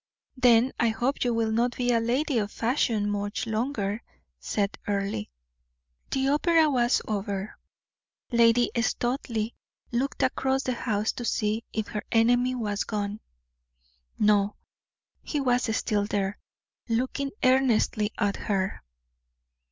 "Then I hope you will not be a lady of fashion much longer," said Earle. The opera was over; Lady Studleigh looked across the house to see if her enemy was gone. No; he was still there, looking earnestly at her.